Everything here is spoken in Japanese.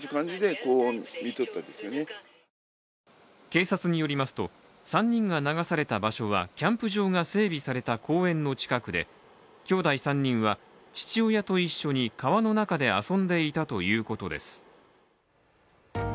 警察によりますと、３人が流された場所はキャンプ場が整備された公園の近くできょうだい３人は父親と一緒に川の中で遊んでいたということです。